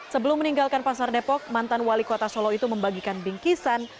sebelum meninggalkan pasar depok mantan wali kota solo itu membagikan bingkisan